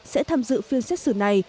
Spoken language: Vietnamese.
sẽ tham dự phiên xét xử này